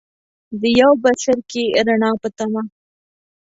د یو بڅرکي ، رڼا پۀ تمه